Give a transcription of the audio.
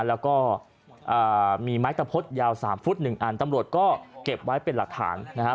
แล้วก็มีไม้ตะพดยาว๓ฟุต๑อันตำรวจก็เก็บไว้เป็นหลักฐานนะฮะ